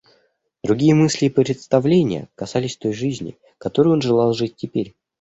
Другие мысли и представления касались той жизни, которою он желал жить теперь.